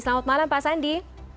selamat malam pak sandi